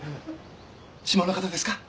「島の方ですか？